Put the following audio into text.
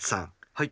はい。